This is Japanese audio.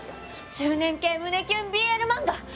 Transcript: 中年系胸キュンＢＬ漫画！